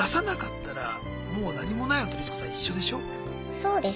そうです。